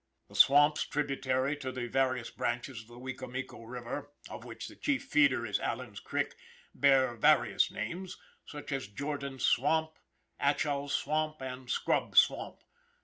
The swamps tributary to the various branches of the Wicomico river, of which the chief feeder is Allen's creek, bear various names, such as Jordan's swamp, Atchall's swamp, and Scrub swamp.